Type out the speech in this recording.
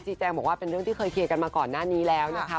แจ้งบอกว่าเป็นเรื่องที่เคยเคลียร์กันมาก่อนหน้านี้แล้วนะคะ